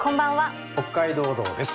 「北海道道」です。